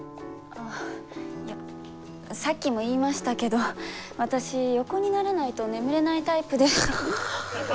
さっきも言いましたけど私横にならないと眠れないタイプで。